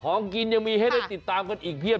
ของกินยังมีให้ได้ติดตามกันอีกเพียบ